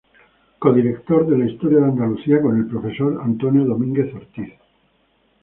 Co-director de la "Historia de Andalucía" con el profesor Antonio Domínguez Ortiz.